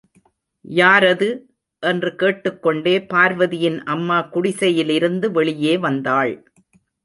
யாரது? என்று கேட்டுக்கொண்டே பார்வதியின் அம்மா குடிசையிலிருந்து வெளியே வந்தாள்.